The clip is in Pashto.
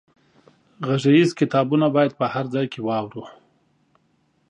غږیز کتابونه په هر ځای کې واورو.